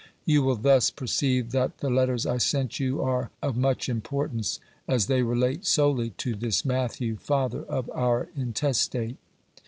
You will thus perceive that the letters I sent you are of much importance, as they relate solely to this Matthew, father of our intestate.